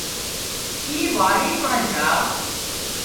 اي واڙِي مان جھا